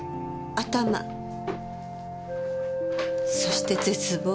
そして絶望。